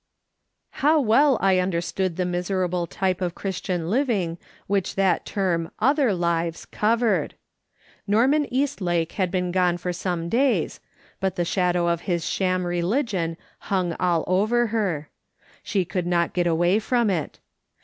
How well I understood the miserable type of Christian living which that term " other lives" covered ! Norman Eastlake had been gone for some days, but the shadow of his sham religion hung all over her ; she could not get away from it.